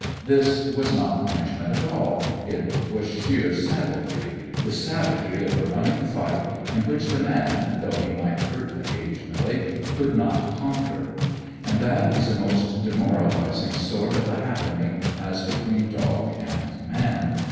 This was not punishment at all, it was sheer savagery, the savagery of a running fight in which the man, though he might hurt occasionally, could not conquer. And that is a most demoralizing sort of a happening, as between dog and man.